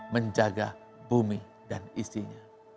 menjaga bumi dan isinya